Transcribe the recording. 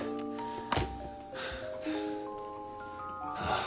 ああ。